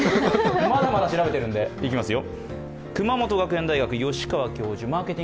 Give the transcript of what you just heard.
まだまだ調べてるんで、いきますよ。